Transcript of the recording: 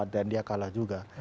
dan dia kalah juga